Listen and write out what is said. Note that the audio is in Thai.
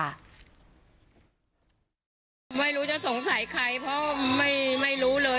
ไม่รู้จะสงสัยใครเพราะไม่รู้เลย